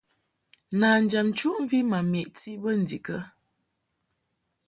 Nanjam nchuʼmvi ma meʼti bə ndikə ?